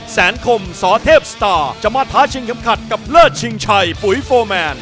คมสเทพสตาร์จะมาท้าชิงเข็มขัดกับเลิศชิงชัยปุ๋ยโฟร์แมน